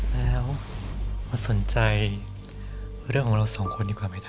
แล้วมาสนใจเรื่องของเราสองคนดีกว่าไหมท่าน